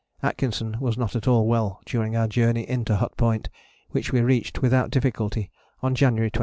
Atkinson was not at all well during our journey in to Hut Point, which we reached without difficulty on January 26.